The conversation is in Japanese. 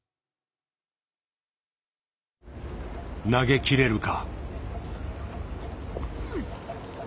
投げきれるか。